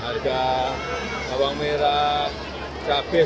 harga bawang merah cabai